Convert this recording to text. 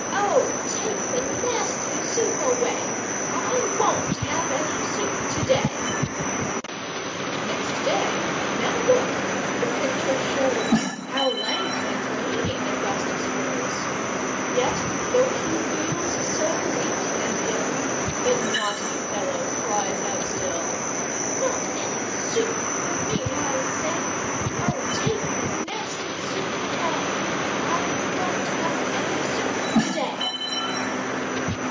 O take the nasty soup away! I won't have any soup today." Next day, now look, the picture shows How lank and lean Augustus grows! Yet, though he feels so weak and ill, The naughty fellow cries out still "Not any soup for me, I say: O take the nasty soup away! I won't have any soup today."